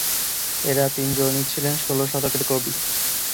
এঁরা তিনজনই ছিলেন ষোল শতকের কবি।